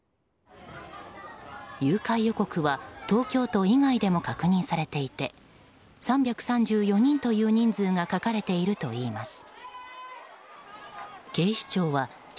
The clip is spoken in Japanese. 誘拐予告は東京都以外でも確認されていて３３４人という人数が書かれているといいます。